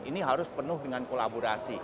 ini harus penuh dengan kolaborasi